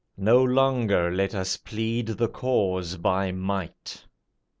No longer let us plead the cause by might."